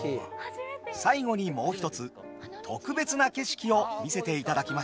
最後にもう一つ特別な景色を見せていただきました。